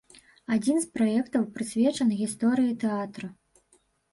Адзін з праектаў прысвечаны гісторыі тэатра.